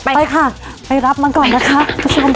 ไปค่ะไปรับมันก่อนนะครับ